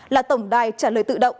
là tổng đài trả lời tự động